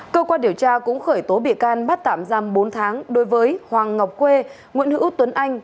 cơ quan điều tra cũng khởi tố bị can bắt tạm giam bốn tháng đối với hoàng ngọc khuê nguyễn hữu tuấn anh